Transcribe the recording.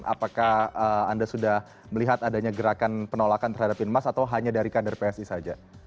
apakah anda sudah melihat adanya gerakan penolakan terhadap pin emas atau hanya dari kader psi saja